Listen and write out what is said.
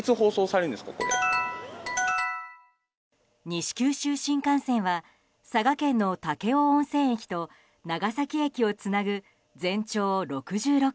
西九州新幹線は佐賀県の武雄温泉駅と長崎駅をつなぐ全長６６ｋｍ。